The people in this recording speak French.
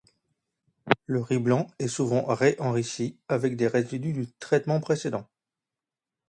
Le riz blanc est souvent ré-enrichi avec des résidus du traitement précédent.